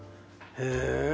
へえ。